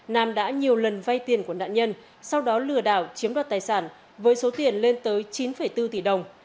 nam đã nhiều lần vay tiền của nạn nhân sau đó lừa đảo chiếm đoạt tài sản với số tiền lên tới chín bốn tỷ đồng